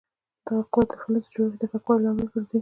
دا قوه د فلز د جوړښت د کلکوالي لامل ګرځي.